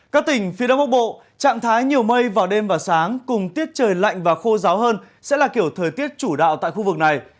các tỉnh phía đông bắc bộ trạng thái nhiều mây vào đêm và sáng cùng tiết trời lạnh và khô ráo hơn sẽ là kiểu thời tiết chủ đạo tại khu vực này